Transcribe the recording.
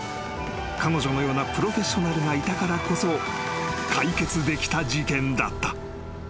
［彼女のようなプロフェッショナルがいたからこそ解決できた事件だった］